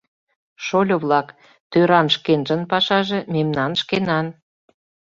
Шольо-влак, тӧран шкенжын пашаже, мемнан — шкенан.